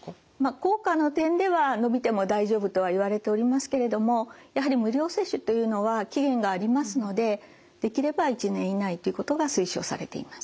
効果の点では延びても大丈夫とはいわれておりますけれどもやはり無料接種というのは期限がありますのでできれば１年以内ということが推奨されています。